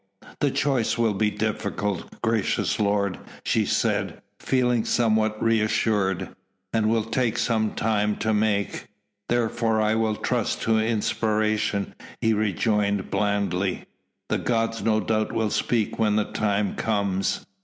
"The choice will be difficult, gracious lord," she said, feeling somewhat reassured, "and will take some time to make." "Therefore will I trust to inspiration," he rejoined blandly. "The gods no doubt will speak when the time comes."